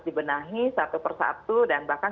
dibenahi satu persatu dan bahkan